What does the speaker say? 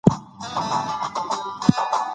دا ډول نورې تېروتنې هم شته.